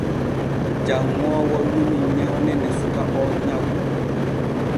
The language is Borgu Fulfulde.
Janŋoowo numi nyawne ne suka o nyawi.